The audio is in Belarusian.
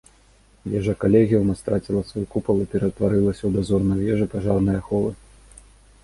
Вежа калегіума страціла свой купал і ператварылася ў дазорную вежу пажарнай аховы.